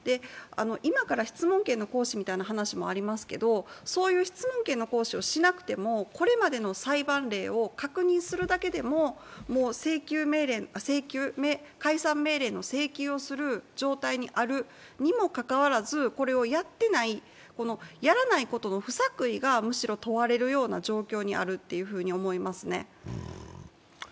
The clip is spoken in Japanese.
今から質問権の行使みたいな話もありますけど、そういう質問権の行使をしなくてもこれまでの裁判例を確認するだけでも、解散命令の請求をする状態にあるにもかかわらず、これをやっていない、やらないことの不作為がむしろ問われるような状況にあると思いますね。